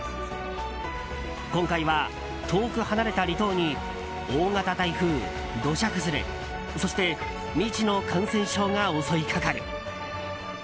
今回は、遠く離れた離島に大型台風、土砂崩れそして、未知の感染症が襲いかかる。